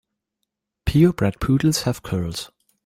Pure bred poodles have curls.